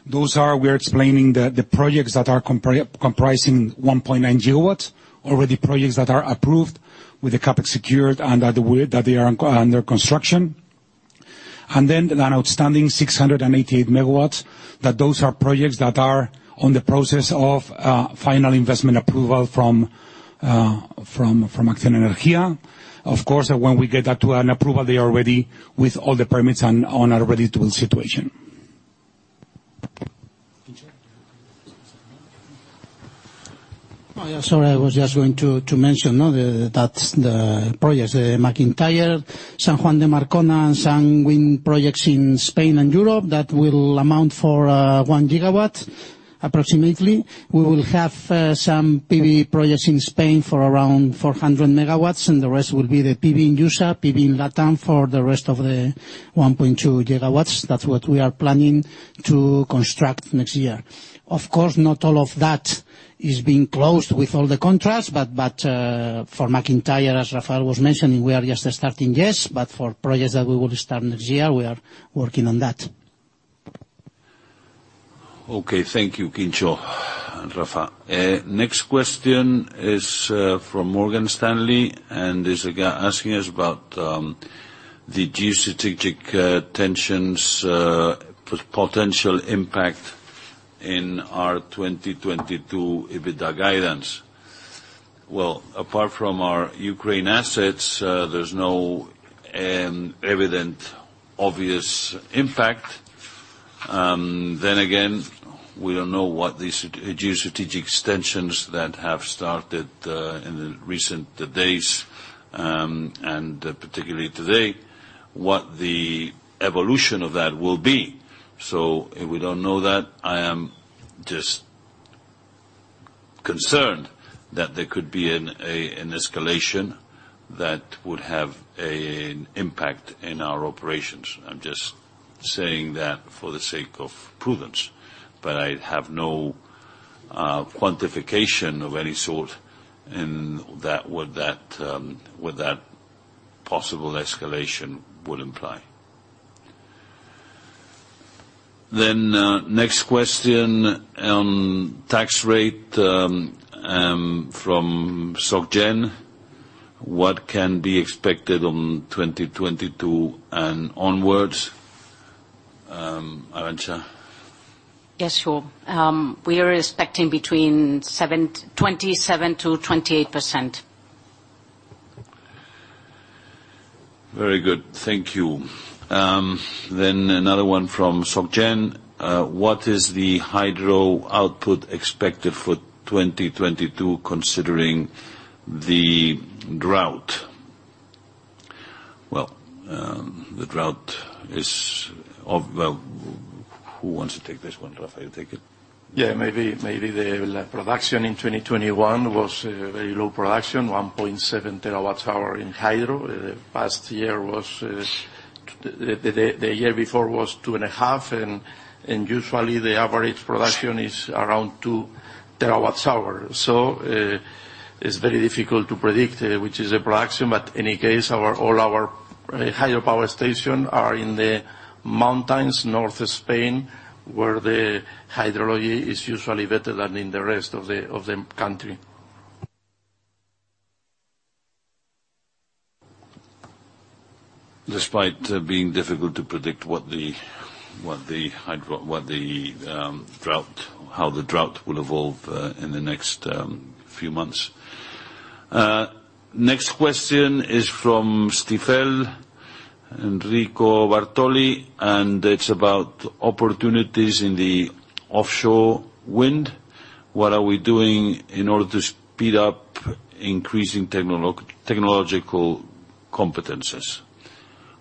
Those are. We are explaining the projects that are comprising 1.9 GW, or the projects that are approved with the CapEx secured and that they are under construction. Then an outstanding 688 MW, that those are projects that are in the process of final investment approval from ACCIONA Energía. Of course, when we get that to an approval, they already with all the permits and on a ready-to-install situation. Quincho? Oh, yeah. Sorry, I was just going to mention that the projects, the MacIntyre, San Juan de Marcona, and Escepar projects in Spain and Europe, that will amount to 1 GW approximately. We will have some PV projects in Spain for around 400 MW, and the rest will be the PV in USA, PV in LatAm for the rest of the 1.2 GW. That's what we are planning to construct next year. Of course, not all of that is being closed with all the contracts, but for MacIntyre, as Rafael was mentioning, we are just starting, yes. For projects that we will start next year, we are working on that. Okay, thank you, Quincho and Rafa. Next question is from Morgan Stanley, and is asking us about the geostrategic tensions potential impact in our 2022 EBITDA guidance. Well, apart from our Ukraine assets, there's no evident, obvious impact. Then again, we don't know what the geostrategic tensions that have started in the recent days and particularly today, what the evolution of that will be. So we don't know that. I am just concerned that there could be an escalation that would have an impact in our operations. I'm just saying that for the sake of prudence. I have no quantification of any sort in that, what that possible escalation would imply. Next question on tax rate from SocGen. What can be expected on 2022 and onwards? Arantza? Yes, sure. We are expecting between 27%-28%. Very good. Thank you. Another one from SocGen. What is the hydro output expected for 2022, considering the drought? Who wants to take this one? Rafael, take it. The production in 2021 was very low production, 1.7 TWh in hydro. The year before was 2.5 TWh and usually the average production is around 2 TWhs. It's very difficult to predict which is the production, but in any case all our hydropower stations are in the mountains north of Spain, where the hydrology is usually better than in the rest of the country. Despite being difficult to predict how the drought will evolve in the next few months. Next question is from Stifel, Enrico Bartoli, and it's about opportunities in the offshore wind. What are we doing in order to speed up increasing technological competences?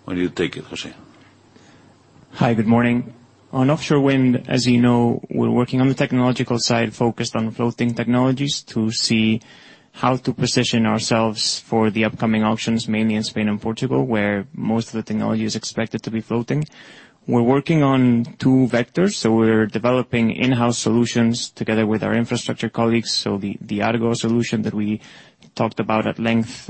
Why don't you take it, José Hi, good morning. On offshore wind, as you know, we're working on the technological side, focused on floating technologies to see how to position ourselves for the upcoming auctions, mainly in Spain and Portugal, where most of the technology is expected to be floating. We're working on two vectors. We're developing in-house solutions together with our infrastructure colleagues. The Argo solution that we talked about at length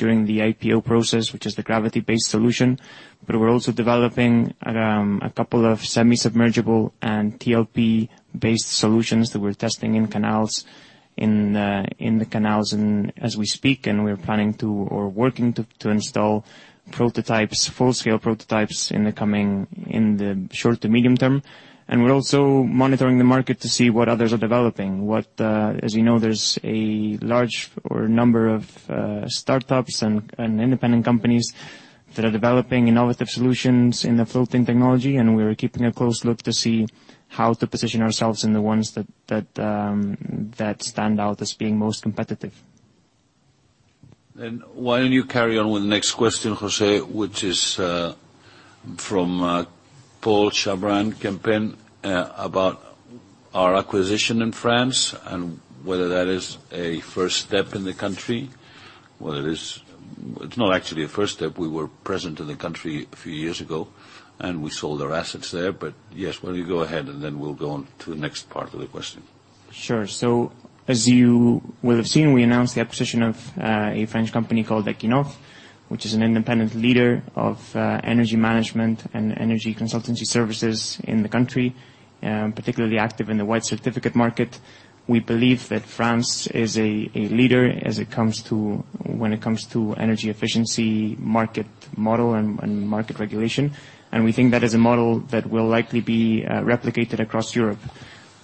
during the IPO process, which is the gravity-based solution, but we're also developing a couple of semi-submersible and TLP-based solutions that we're testing in canals and as we speak, and we're planning to or working to install full-scale prototypes in the short to medium term. We're also monitoring the market to see what others are developing. As you know, there's a large number of startups and independent companies that are developing innovative solutions in the floating technology, and we're keeping a close look to see how to position ourselves in the ones that stand out as being most competitive. Why don't you carry on with the next question, José, which is from Paul Chabran, Kempen, about our acquisition in France and whether that is a first step in the country. It's not actually a first step. We were present in the country a few years ago, and we sold our assets there, but yes, why don't you go ahead and then we'll go on to the next part of the question. Sure. As you will have seen, we announced the acquisition of a French company called Eqinov, which is an independent leader of energy management and energy consultancy services in the country, particularly active in the white certificate market. We believe that France is a leader when it comes to energy efficiency, market model and market regulation. We think that is a model that will likely be replicated across Europe.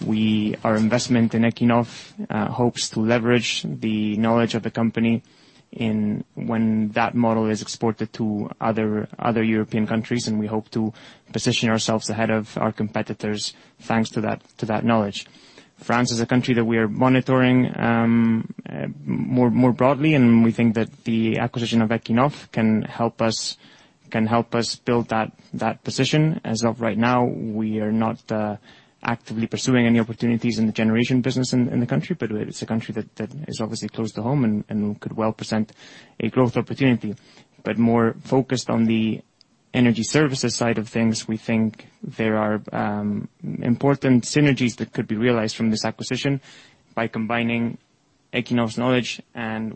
Our investment in Eqinov hopes to leverage the knowledge of the company when that model is exported to other European countries, and we hope to position ourselves ahead of our competitors, thanks to that knowledge. France is a country that we are monitoring more broadly, and we think that the acquisition of Eqinov can help us build that position. As of right now, we are not actively pursuing any opportunities in the generation business in the country, but it's a country that is obviously close to home and could well present a growth opportunity. More focused on the energy services side of things, we think there are important synergies that could be realized from this acquisition by combining Eqinov's knowledge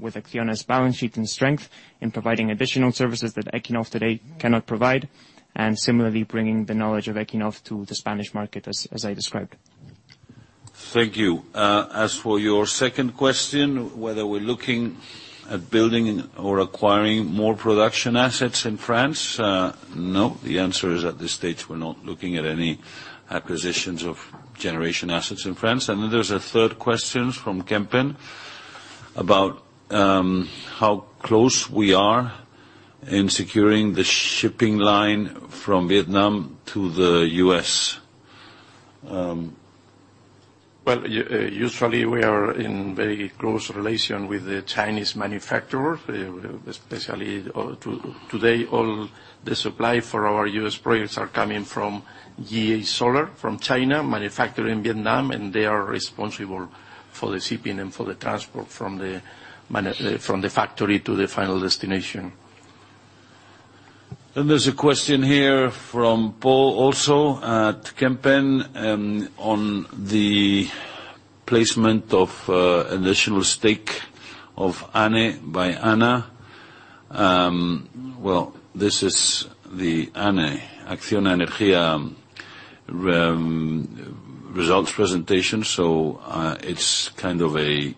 with ACCIONA's balance sheet and strength in providing additional services that Eqinov today cannot provide, and similarly, bringing the knowledge of Eqinov to the Spanish market as I described. Thank you. As for your second question, whether we're looking at building or acquiring more production assets in France, no. The answer is, at this stage, we're not looking at any acquisitions of generation assets in France. There's a third question from Kempen about how close we are in securing the shipping line from Vietnam to the U.S. Well, usually, we are in very close relation with the Chinese manufacturer, especially today, all the supply for our U.S. products are coming from JA Solar, from China, manufactured in Vietnam, and they are responsible for the shipping and for the transport from the factory to the final destination. There's a question here from Paul Chabran also at Kempen on the placement of additional stake of ANE by ACCIONA. Well, this is the ANE, ACCIONA Energía results presentation, so it's kind of a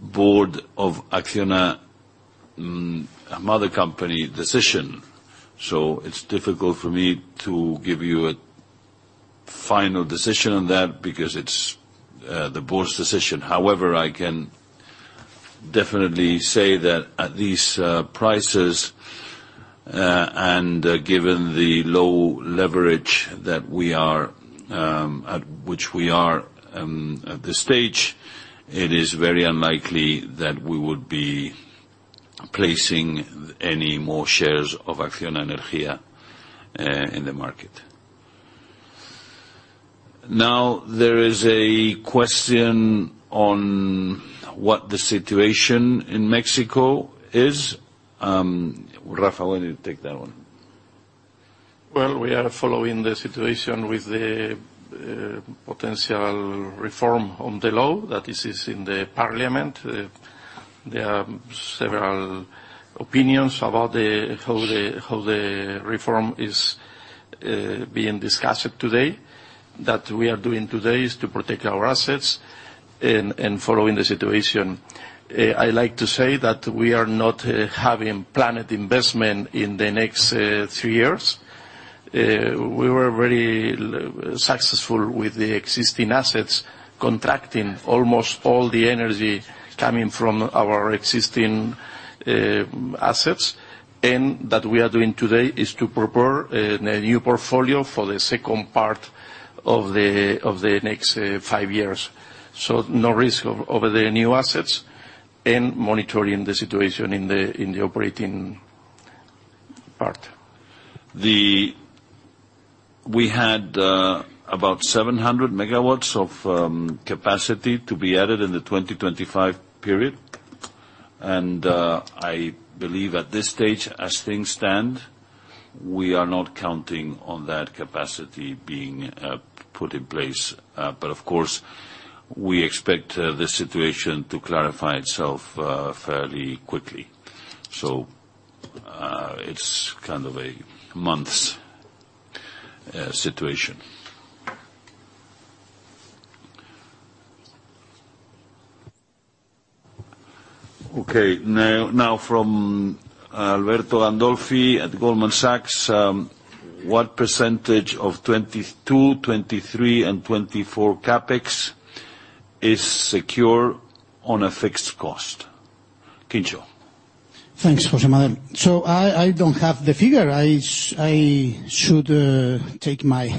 board of ACCIONA mother company decision. It's difficult for me to give you a final decision on that because it's the board's decision. However, I can definitely say that at these prices and given the low leverage that we are at this stage, it is very unlikely that we would be placing any more shares of ACCIONA Energía in the market. Now, there is a question on what the situation in Mexico is. Rafael, why don't you take that one? Well, we are following the situation with the potential reform on the law that is in the parliament. There are several opinions about how the reform is being discussed today. What we are doing today is to protect our assets and follow the situation. I like to say that we are not having planned investment in the next three years. We were very successful with the existing assets, contracting almost all the energy coming from our existing assets. What we are doing today is to prepare a new portfolio for the second part of the next five years. No risk over the new assets and monitoring the situation in the operating part. We had about 700 MW of capacity to be added in the 2025 period. I believe at this stage, as things stand, we are not counting on that capacity being put in place. Of course, we expect the situation to clarify itself fairly quickly. It's kind of a months situation. Okay, now from Alberto Gandolfi at Goldman Sachs, what percentage of 2022, 2023 and 2024 CapEx is secure on a fixed cost? Quincho. Thanks, José Manuel. I don't have the figure. I should take my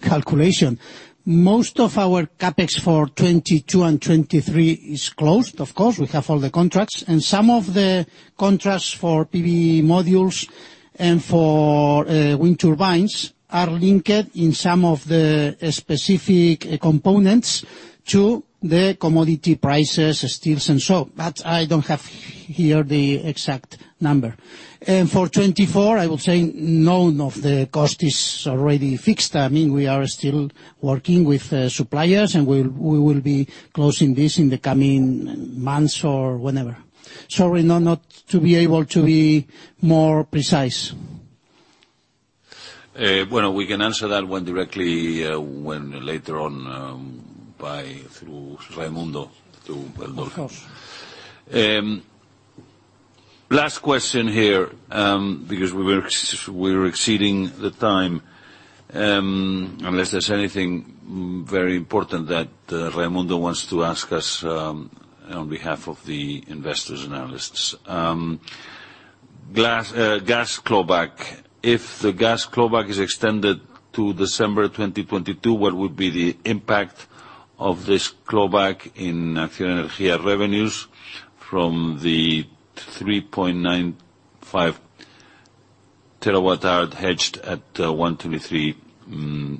calculation. Most of our CapEx for 2022 and 2023 is closed. Of course, we have all the contracts, and some of the contracts for PV modules and for wind turbines are linked in some of the specific components to the commodity prices, steels and so. But I don't have here the exact number. For 2024, I will say none of the cost is already fixed. I mean, we are still working with suppliers, and we will be closing this in the coming months or whenever. Sorry, not to be able to be more precise. We can answer that one directly when later on through Raimundo to Gandolfi. Of course. Last question here, because we're exceeding the time, unless there's anything very important that Raimundo wants to ask us, on behalf of the investors and analysts. Gas clawback. If the gas clawback is extended to December 2022, what would be the impact of this clawback in ACCIONA Energía revenues from the 3.95 TWh hedged at EUR 123/MWh?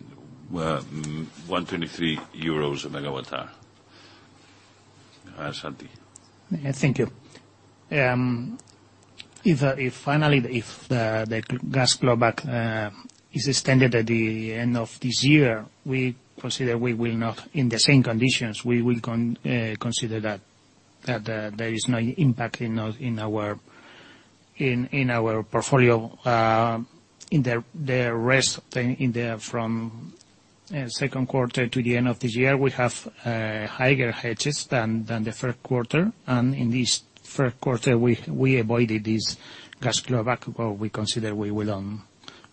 Santi. Thank you. If finally the gas clawback is extended at the end of this year, we consider that there is no impact in our portfolio from second quarter to the end of this year. We have higher hedges than the first quarter. In this first quarter, we avoided this gas clawback. We consider we will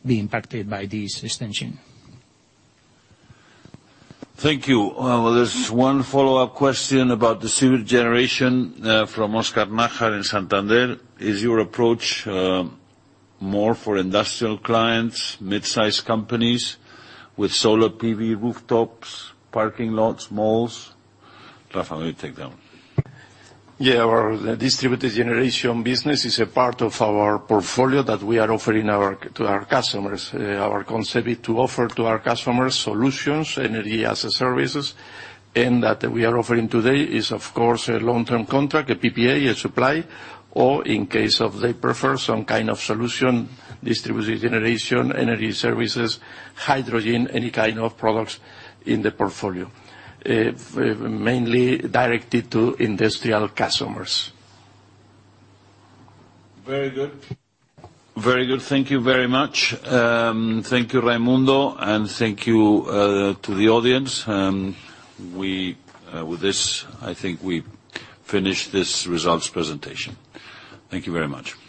be impacted by this extension. Thank you. Well, there's one follow-up question about distributed generation from Óscar Nájar in Santander. Is your approach more for industrial clients, mid-size companies with solar PV rooftops, parking lots, malls? Rafa, maybe take that one. Yeah. Our distributed generation business is a part of our portfolio that we are offering to our customers. Our concept is to offer to our customers solutions, Energy as a Service. That we are offering today is of course a long-term contract, a PPA, a supply, or in case of they prefer some kind of solution, distributed generation, energy services, hydrogen, any kind of products in the portfolio, mainly directed to industrial customers. Very good. Thank you very much. Thank you, Raimundo, and thank you to the audience. With this, I think we finish this results presentation. Thank you very much. Bye.